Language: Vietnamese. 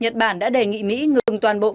nhật bản đã đề nghị mỹ ngừng toàn bộ các chiến đấu